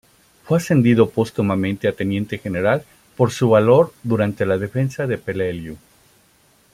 Fue ascendido póstumamente a teniente general por su valor durante la defensa de Peleliu.